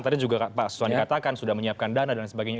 tadi juga pak suwandi katakan sudah menyiapkan dana dan sebagainya